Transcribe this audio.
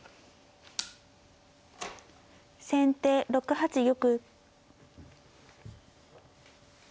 先手６八玉。